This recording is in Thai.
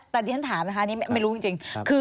แต่ที่ฉันถามนะคะนี่ไม่รู้จริง